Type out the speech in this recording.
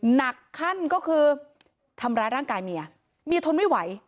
หนักขั้นก็คือทำร้ายร่างกายเมียเมียทนไม่ไหว